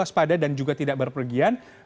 dua januari dua ribu dua puluh tiga